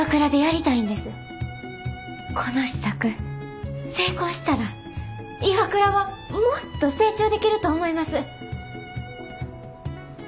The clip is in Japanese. この試作成功したらＩＷＡＫＵＲＡはもっと成長できると思います。